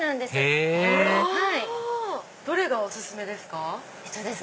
へぇどれがお薦めですか？